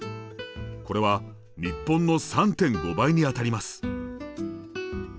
これは日本の３．５倍にあたります。